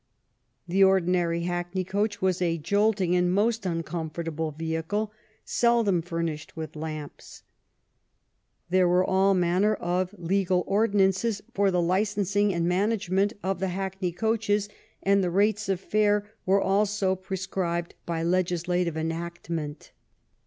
The ordinary hackney coach was a jolting and most uncomfortable vehicle, seldom furnished with lamps. There were all manner of legal ordinances for the licensing and management of the hackney coaches, and the rates of fare were also pre scribed by legislative enactment.